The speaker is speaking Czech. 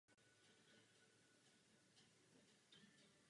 Chci vám jen doporučit, abyste postupovala odvážněji, ukládala více úkolů.